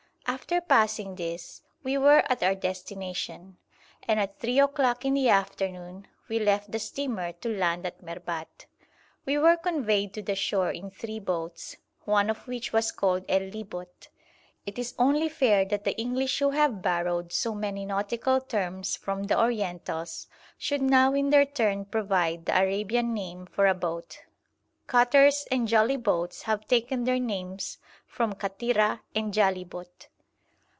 After passing this we were at our destination, and at three o'clock in the afternoon we left the steamer to land at Merbat. We were conveyed to the shore in three boats, one of which was called 'el liebot.' It is only fair that the English who have borrowed so many nautical terms from the Orientals, should now in their turn provide the Arabian name for a boat. Cutters and jolly boats have taken their names from 'kattira' and 'jahlibot.'